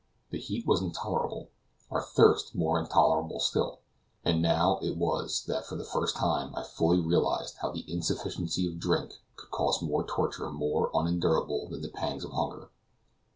The heat was intolerable; our thirst more intolerable still; and now it was that for the first time I fully realized how the insufficiency of drink could cause torture more unendurable than the pangs of hunger.